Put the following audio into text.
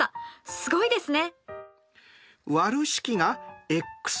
すごいですね。